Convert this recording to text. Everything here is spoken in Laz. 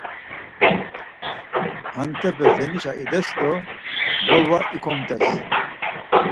Hentepe zenişa ides do golva ikomt̆es.